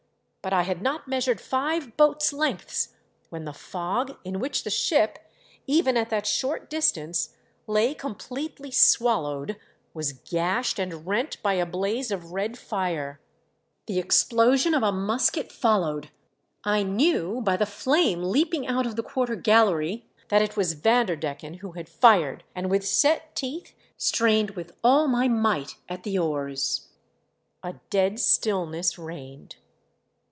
But I had not measured five boat's lengths when the fog in which the ship, even at that short distance, lay completely swallowed was gashed and rent by a blaze of red fire. The explpgion of a musket followed, I knew, by 406 THE DEATH SHIP. the flame leaping out of the quarter gallery, that it was Vanderdecken who had fired, and with set teeth strained with all my might at the oars, A dead stillness reigned.